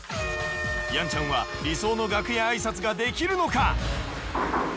やんちゃんは理想の楽屋挨拶ができるのか！？